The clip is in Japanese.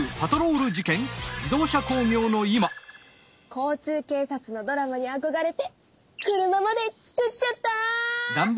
交通警察のドラマにあこがれて車まで作っちゃった。